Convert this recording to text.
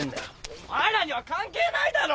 お前らには関係ないだろ！